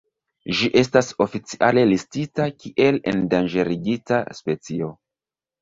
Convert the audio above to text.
Ĝi estas oficiale listita kiel endanĝerigita specio.